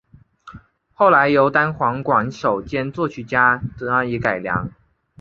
后来由单簧管手兼作曲家加以改良。